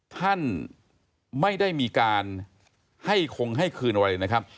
ท่านไม่ได้มีการให้คงให้คืนอะไรนะครับ